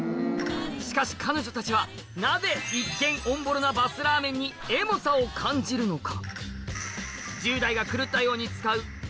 しかし彼女たちはなぜ一見おんぼろなバスラーメンにエモさを感じるのか？